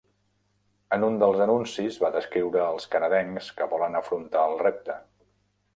En un dels anuncis, va descriure els canadencs que volen afrontar el repte.